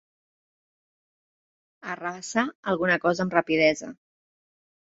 Arrabassar alguna cosa amb rapidesa.